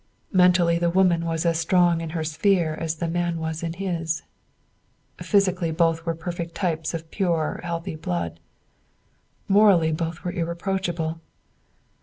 Mentally the woman was as strong in her sphere as the man was in his. Physically both were perfect types of pure, healthy blood. Morally both were irreproachable.